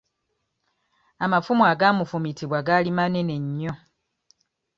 Amafumu agaamufumitibwa gaali manene nnyo.